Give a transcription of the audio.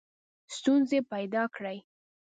ستونزي پیدا کړي.